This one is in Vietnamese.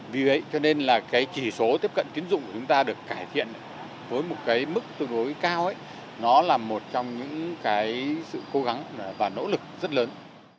vì vậy chỉ số tiếp cận tín dụng của chúng ta được cải thiện với mức tối đối cao là một trong những sự cố gắng và nỗ lực rất lớn